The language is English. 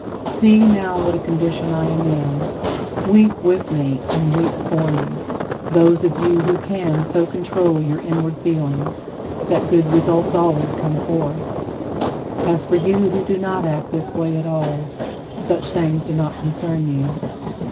See now what a condition I am in! Weep with me, and weep for me, those of you who can so control your inward feelings that good results always come forth. As for you who do not act this way at all, such things do not concern you.